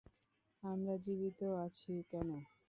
আমরা জীবিত আছি কেনো?